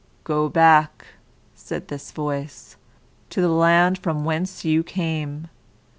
"Go back," said this voice, "to the land from whence you came.